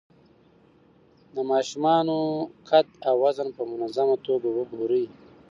د ماشومانو قد او وزن په منظمه توګه وګورئ.